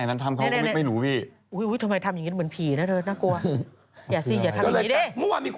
ครับผมนั่นคือหลูหลานน่ะอันนี้ธรรมจีม